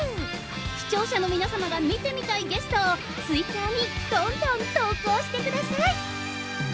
視聴者の皆様が見てみたいゲストをツイッターにどんどん投稿してください！